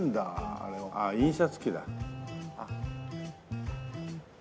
あれあっ印刷機だ。